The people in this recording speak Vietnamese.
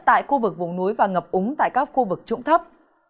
tại khu vực vùng núi và ngập úng tại các khu vực trụng thấp